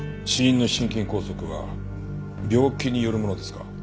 死因の心筋梗塞は病気によるものですか？